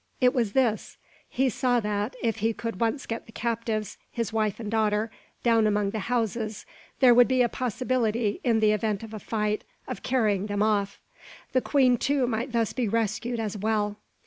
It was this: he saw that, if he could once get the captives, his wife and daughter, down among the houses, there would be a possibility, in the event of a fight, of carrying them off. The queen, too, might thus be rescued as well.